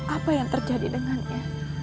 apa yang terjadi dengannya